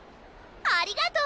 ありがとう！